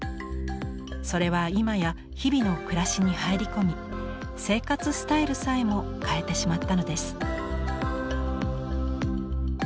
それは今や日々の暮らしに入り込み生活スタイルさえも変えてしまったのです。